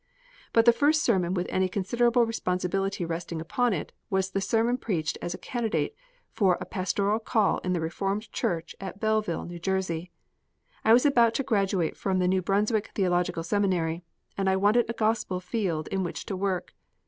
But the first sermon with any considerable responsibility resting upon it was the sermon preached as a candidate for a pastoral call in the Reformed Church at Belleville, N.J. I was about to graduate from the New Brunswick Theological Seminary, and wanted a Gospel field in which to work.